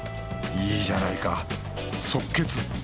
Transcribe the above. いいじゃないか即決！